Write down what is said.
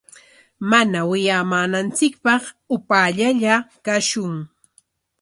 Mana wiyamananchikpaq upaallalla kashun.